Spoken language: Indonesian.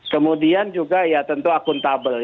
kemudian juga ya tentu akuntabel